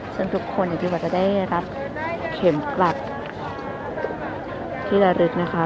ซึ่งทุกคนอย่างที่บอกจะได้รับเข็มกลัดที่ระลึกนะคะ